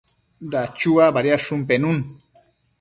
Dachua badiadshun pennu